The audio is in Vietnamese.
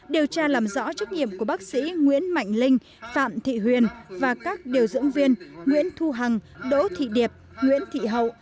điều tra làm rõ trách nhiệm của bác sĩ nguyễn mạnh linh phạm thị huyền và các điều dưỡng viên nguyễn thu hằng đỗ thị điệp nguyễn thị hậu